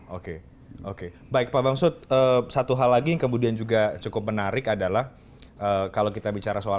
oke oke baik pak bamsud satu hal lagi yang kemudian juga cukup menarik adalah kalau kita bicara soal